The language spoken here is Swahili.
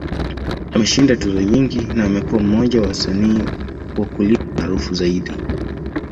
Ameshinda tuzo nyingi, na amekuwa mmoja wa wasanii wa kulipwa maarufu zaidi.